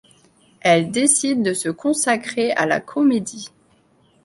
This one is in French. Elle décide de se consacrer à la comédie.